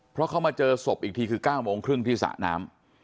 เพราะเขามาเจอศพอีกทีคือ๙โมงครึ่งที่สระน้ำ